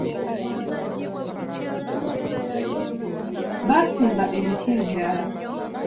Baasimba emiti emirala.